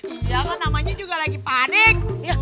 iya kan namanya juga lagi panik